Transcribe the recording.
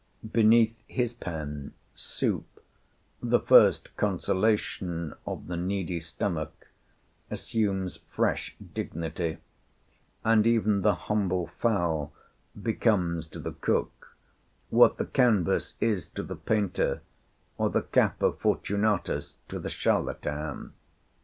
Beneath his pen, soup, "the first consolation of the needy stomach," assumes fresh dignity; and even the humble fowl becomes to the cook "what the canvas is to the painter, or the cap of Fortunatus to the charlatan."